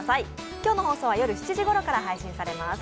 今日の放送は夜７時ごろから配信されます。